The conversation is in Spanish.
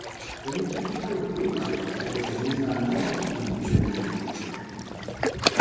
En este tipo de esquema se recomienda no distribuir el neutro.